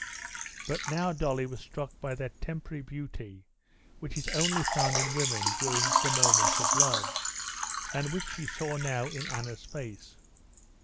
But now Dolly was struck by that temporary beauty, which is only found in women during the moments of love, and which she saw now in Anna's face.